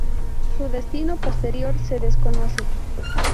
Su destino posterior se desconoce.